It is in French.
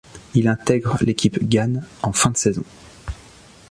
Il intègre l'équipe Gan en fin de saison.